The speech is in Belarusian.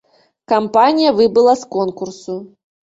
Кампанія выбыла з конкурсу.